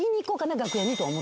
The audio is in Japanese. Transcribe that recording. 楽屋に？